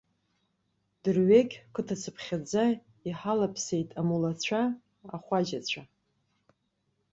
Дырҩегь қыҭацыԥхьаӡа иҳалаԥсеит амулацәа, ахәаџьацәа.